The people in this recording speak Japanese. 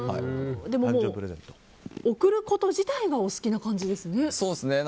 でも、贈ること自体がお好きな感じですね。